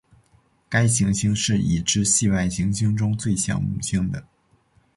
该行星是已知系外行星中最像木星的。